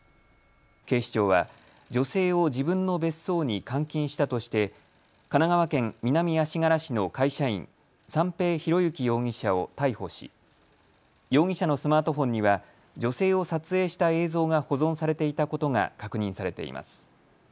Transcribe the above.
警視庁は女性を自分の別荘に監禁したとして神奈川県南足柄市の会社員、三瓶博幸容疑者を逮捕し容疑者のスマートフォンには女性を撮影した映像が保存されていたことが確認されています。